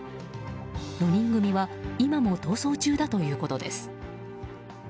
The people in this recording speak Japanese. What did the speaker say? ４人組は今も逃走中だということです。